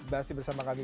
ya ada pasti bersama kami